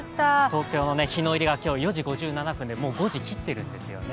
東京の日の入りは４時５７分で、もう５時を切ってるんですよね。